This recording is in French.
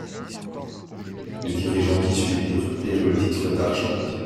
Les dirigeants qui suivirent prirent le titre d'archonte.